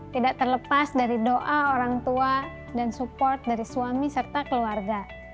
tidak terlepas dari doa orang tua dan support dari suami serta keluarga